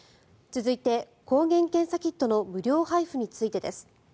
続いて、抗原検査キットの無料配布についてです。